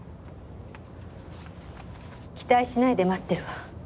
期待しないで待ってるわ。